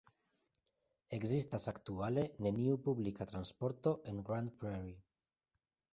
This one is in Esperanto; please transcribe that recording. Ekzistas aktuale neniu publika transporto en Grand Prairie.